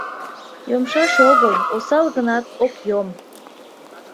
Йомшаш огыл, осал гынат, ок йом...